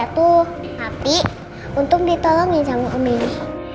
tapi untung ditolong ya sama om edi